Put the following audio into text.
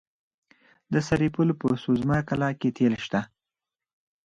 د سرپل په سوزمه قلعه کې تیل شته.